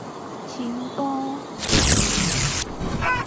青埔